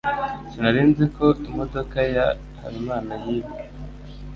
Sinari nzi ko imodoka ya Habimana yibwe.